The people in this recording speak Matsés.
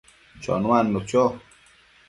chonuadnu cho